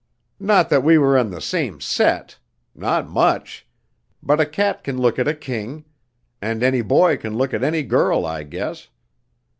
"Not that we were in the same set. Not much! But a cat can look at a king. And any boy can look at any girl, I guess.